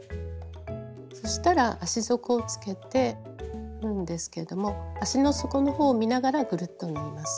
そしたら足底をつけて縫うんですけども足の底のほうを見ながらぐるっと縫います。